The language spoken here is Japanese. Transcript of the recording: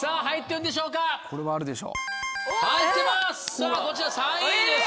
さぁこちら３位です。